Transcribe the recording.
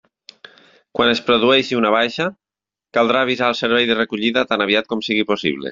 Quan es produeixi una baixa, caldrà avisar el servei de recollida tan aviat com sigui possible.